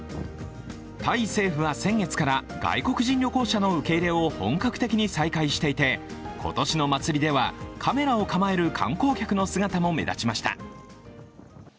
タイ政府は先月から外国人旅行者の受け入れを本格的に再開していて今年の祭りではカメラを構える観光客の姿も目立ちました。